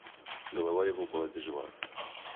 Голова его была тяжела.